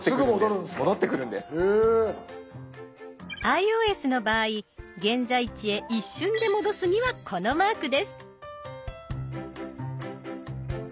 ｉＯＳの場合現在地へ一瞬で戻すにはこのマークです。